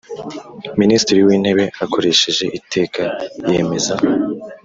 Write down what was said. Minisitiri w intebe akoresheje iteka yemeza